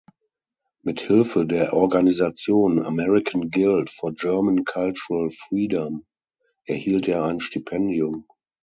Mit Hilfe der Organisation "American Guild for German Cultural Freedom" erhielt er ein Stipendium.